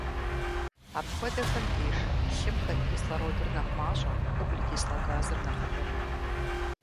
Апхуэдэхэм деж лъым хэт кислородыр нэхъ мащӏэ, углекислэ газыр нэхъыбэ мэхъу.